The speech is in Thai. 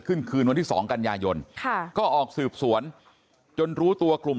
คืนคืนวันที่สองกันยายนค่ะก็ออกสืบสวนจนรู้ตัวกลุ่ม